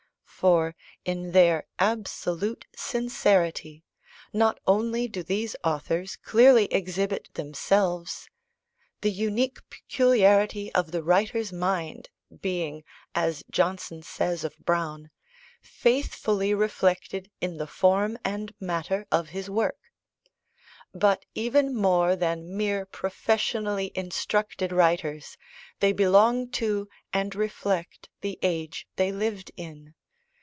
For, in their absolute sincerity, not only do these authors clearly exhibit themselves ("the unique peculiarity of the writer's mind," being, as Johnson says of Browne, "faithfully reflected in the form and matter of his work") but, even more than mere professionally instructed writers, they belong to, and reflect, the age they lived in.